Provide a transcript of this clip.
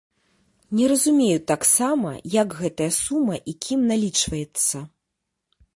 Не разумею таксама, як гэтая сума і кім налічваецца.